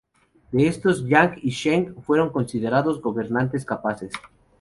De estos, Yang y Sheng fueron considerados gobernantes capaces.